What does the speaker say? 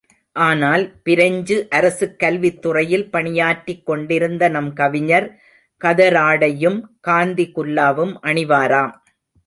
ஆனால், பிரெஞ்சு அரசுக் கல்வித்துறையில் பணியாற்றிக் கொண்டிருந்த நம் கவிஞர் கதராடையும் காந்தி குல்லாவும் அணிவாராம்.